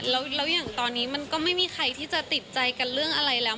แล้วอย่างตอนนี้มันก็ไม่มีใครที่จะติดใจกันเรื่องอะไรแล้ว